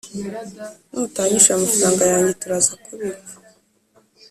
Nutanyishura amafaranga yanjye turazakubipfa